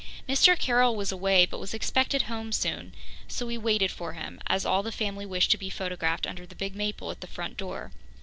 Mr. Carroll was away but was expected home soon, so we waited for him, as all the family wished to be photographed under the big maple at the front door.